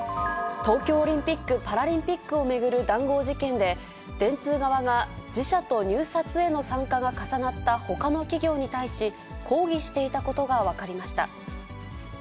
東京オリンピック・パラリンピックを巡る談合事件で、電通側が自社と入札への参加が重なったほかの企業に対し、抗議していたことが分かりました。